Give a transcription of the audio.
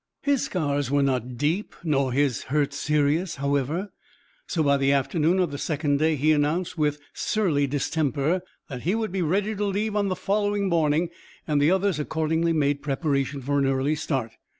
His scars were not deep nor his hurts serious, however, so by the afternoon of the second day he announced, with surly distemper, that he would be ready to leave on the following morning, and the others accordingly made preparation for an early start.